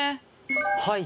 はい。